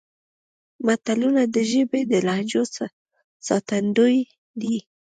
متلونه د ژبې د لهجو ساتندوی دي